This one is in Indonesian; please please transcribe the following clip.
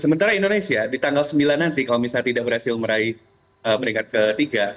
sementara indonesia di tanggal sembilan nanti kalau misalnya tidak berhasil meraih peringkat ketiga